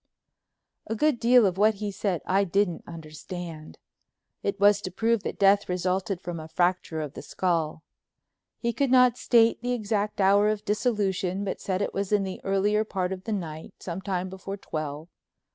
A good deal of what he said I didn't understand—it was to prove that death resulted from a fracture of the skull. He could not state the exact hour of dissolution, but said it was in the earlier part of the night, some time before twelve.